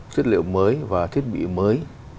chất liệu mới và thiết bị mới